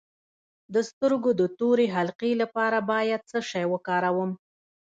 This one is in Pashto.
د سترګو د تورې حلقې لپاره باید څه شی وکاروم؟